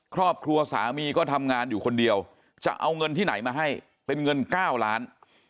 ครอบครัวสามีก็ทำงานอยู่คนเดียวจะเอาเงินที่ไหนมาให้เป็นเงิน๙ล้าน